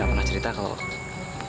gak pernah cerita kalau